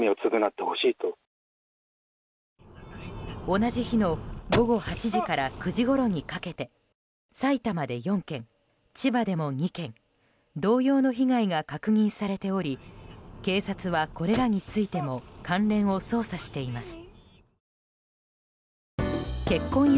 同じ日の午後８時から９時ごろにかけて埼玉で４件、千葉でも２件同様の被害が確認されており警察はこれらについても関連を捜査しています。